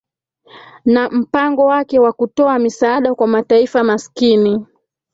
na mpango wake wa kutoa misaada kwa mataifa maskini